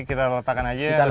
kita letakkan aja tetap jalan ya